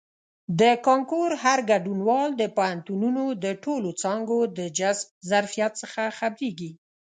د کانکور هر ګډونوال د پوهنتونونو د ټولو څانګو د جذب ظرفیت څخه خبریږي.